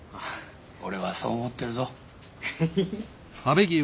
俺はそう思ってるぞ。